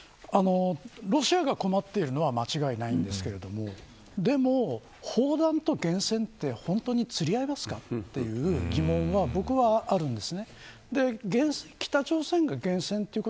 ロシアが困っているのは間違いないのですがでも、砲弾と原潜って、本当につり合いますかという疑問が僕にはあります。